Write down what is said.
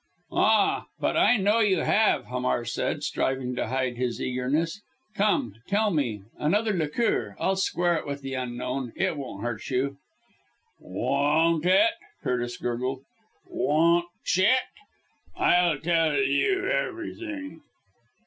"Ah, but I know you have," Hamar said, striving to hide his eagerness. "Come, tell me, another liqueur I'll square it with the Unknown it won't hurt you!" "Won't it!" Curtis gurgled. "Wont'ch it! I'll tell you everything.